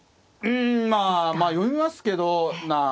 うんまあ読みますけどあ